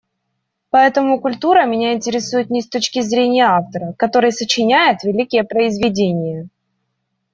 Поэтому культура меня интересует не с точки зрения автора, который сочиняет великие произведения.